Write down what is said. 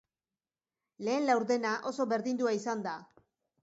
Lehen laurdena oso berdindua izan da.